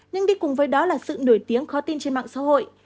nhưng đi cùng với đó là sự nổi tiếng khó tin trên mạng xã hội